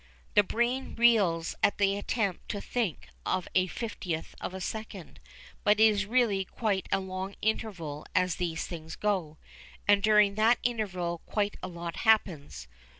The brain reels at the attempt to think of a fiftieth of a second, but it is really quite a long interval as these things go, and during that interval quite a lot happens.